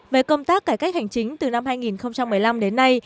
về công tác cải cách hành chính từ năm hai nghìn một mươi năm đến nay